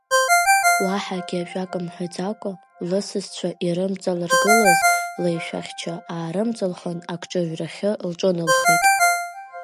Уаҳагьы ажәак мҳәаӡакәа, лысасцәа ирымҵалыргылаз леишәахьча аарымҵылхын, акҿыҩрахьы лҿыналхеит.